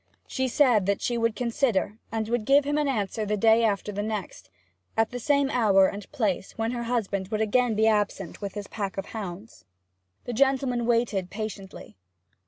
She said that she would consider, and would give him an answer the day after the next, at the same hour and place, when her husband would again be absent with his pack of hounds. The gentleman waited patiently.